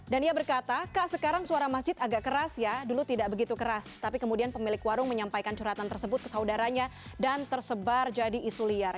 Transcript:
dan ia berkata kak sekarang suara masjid agak keras ya dulu tidak begitu keras tapi kemudian pemilik warung menyampaikan curhatan tersebut ke saudaranya dan tersebar jadi isu liar